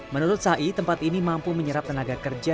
menurut sai tempat ini mampu menyerap tenaga kerja